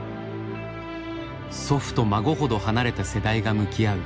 祖父と孫ほど離れた世代が向き合う